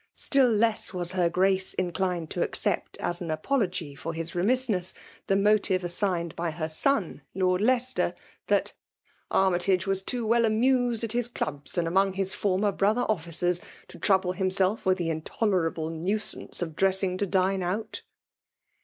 — Still less was her Grace in clined to accept as an apology for his remiss ness, the motive assigned by her son Lord Leicester, that *'Armytage was too well amused at his clubs and among his former brother officers, to trouble himself with the intolerable nuisance of dressing to dine out.